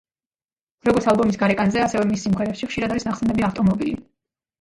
როგორც ალბომის გარეკანზე, ასევე მის სიმღერებში ხშირად არის ნახსენები ავტომობილი.